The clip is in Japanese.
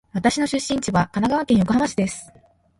私の出身地は神奈川県横浜市です。